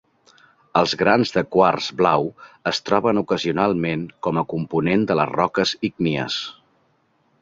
Els grans de quars blau es troben ocasionalment com a component de les roques ígnies.